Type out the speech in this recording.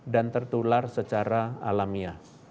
dan tertular secara alamiah